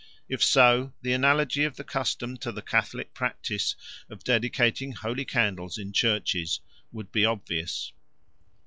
If so, the analogy of the custom to the Catholic practice of dedicating holy candles in churches would be obvious.